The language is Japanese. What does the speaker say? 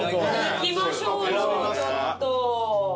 いきましょうよちょっと。